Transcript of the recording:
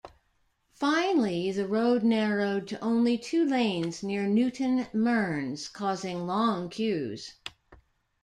Finally, the road narrowed to only two lanes near Newton Mearns, causing long queues.